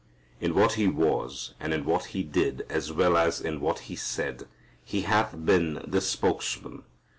In what He was, and in what He did as well as in what He said, He hath been the spokesman.